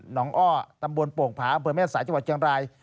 น้องอ้อตำบลโป่งผาอำเภอแม่สายจังหวัดเชียงราย